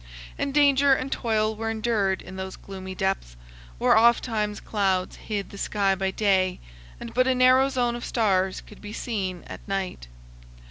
And danger and toil were endured in those gloomy depths, where ofttimes clouds hid the sky by day and but a narrow zone of stars could be seen at night.